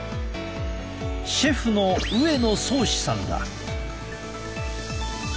シェフの上野宗士さんだ。